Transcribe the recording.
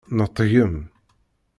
Neṭgem!